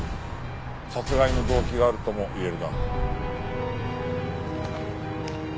殺害の動機があるとも言えるな。